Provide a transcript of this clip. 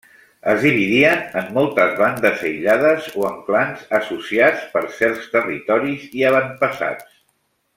Es dividien en moltes bandes aïllades o en clans associats per certs territoris i avantpassats.